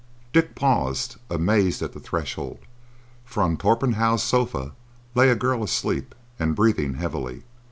Dick paused amazed at the threshold, for on Torpenhow's sofa lay a girl asleep and breathing heavily.